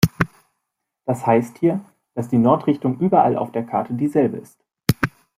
Das heißt hier, dass die Nordrichtung überall auf der Karte dieselbe ist.